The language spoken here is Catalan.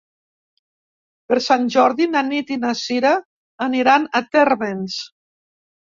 Per Sant Jordi na Nit i na Sira aniran a Térmens.